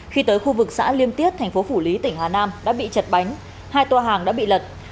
khi tới khu vực xã liêm tiết thành phố phủ lý tỉnh hà nam đã bị chật bánh hai toa hàng đã bị lật